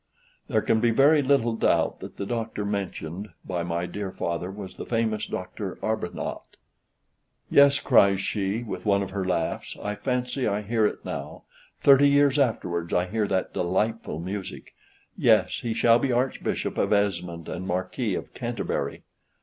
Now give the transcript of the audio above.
* There can be very little doubt that the Doctor mentioned by my dear father was the famous Dr. Arbuthnot. R. E. W. "Yes," cries she, with one of her laughs I fancy I hear it now. Thirty years afterwards I hear that delightful music. "Yes, he shall be Archbishop of Esmond and Marquis of Canterbury."